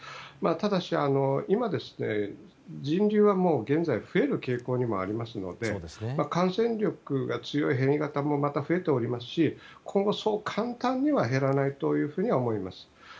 ただし、人流は現在増える傾向にもありますので感染力が強い変異型もまた増えておりますし今後、そう簡単には減らないと思います。